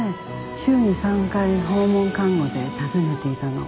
週に３回訪問看護で訪ねていたの。